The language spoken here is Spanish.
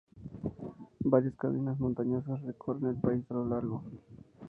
Varias cadenas montañosas recorren el país a lo largo.